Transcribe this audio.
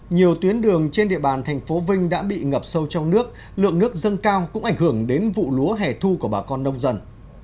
nhiều tuyến đường trên địa bàn thành phố vinh đã bị ngập sâu trong nước lượng nước dâng cao cũng ảnh hưởng đến vụ lúa hẻ thu của bà con nông dân